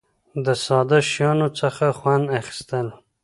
د ساده شیانو څخه خوند اخیستل.